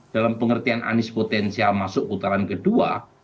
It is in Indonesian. dalam pengertian anies potensial masuk putaran kedua